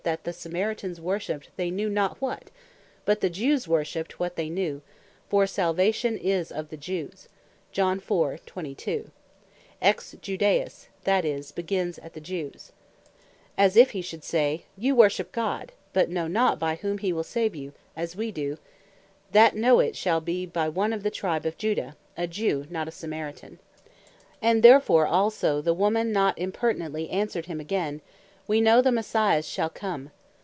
that the Samaritans worshipped they know not what, but the Jews worship what they knew, "For Salvation is of the Jews (Ex Judais, that is, begins at the Jews): as if he should say, you worship God, but know not by whom he wil save you, as we doe, that know it shall be one of the tribe of Judah, a Jew, not a Samaritan. And therefore also the woman not impertinently answered him again, "We know the Messias shall come."